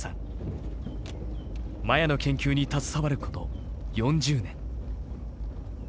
マヤの研究に携わること４０年。